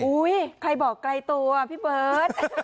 ใครบอกไกลตัวพี่เบิร์ต